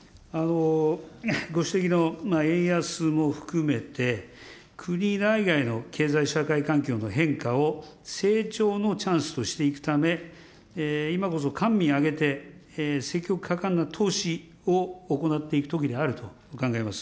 ご指摘の円安も含めて、国内外の経済社会環境の変化を成長のチャンスとしていくため、今こそ官民挙げて、積極果敢な投資を行っていくときであると考えます。